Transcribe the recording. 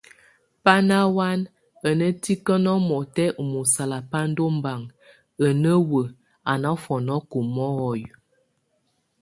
Bá nahuan a nétiken omɔtɛ́ o musálaband ombaŋ, a néwek, a nɔ́fɔnɔ́k omɔy.